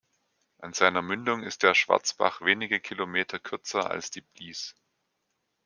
An seiner Mündung ist der Schwarzbach wenige Kilometer kürzer als die Blies.